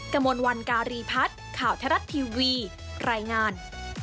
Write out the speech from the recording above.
กระมวลวันการีพัฒน์ข่าวทรัฐทีวีรายงาน